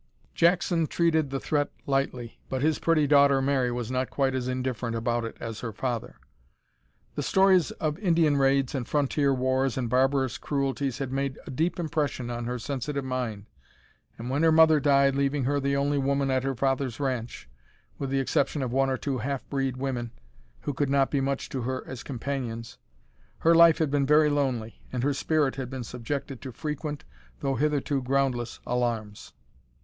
Jackson treated the threat lightly, but his pretty daughter Mary was not quite as indifferent about it as her father. The stories of Indian raids and frontier wars and barbarous cruelties had made a deep impression on her sensitive mind, and when her mother died, leaving her the only woman at her father's ranch with the exception of one or two half breed women, who could not be much to her as companions her life had been very lonely, and her spirit had been subjected to frequent, though hitherto groundless, alarms.